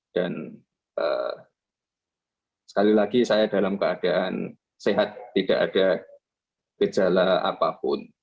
dan sekali lagi saya dalam keadaan sehat tidak ada gejala apapun